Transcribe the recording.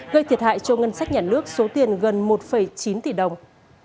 gây thiệt hại cho ngân sách nhà nước số tiền gần một chín tỷ đồng